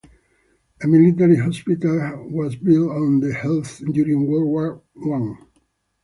A military hospital was built on the heath during World War One.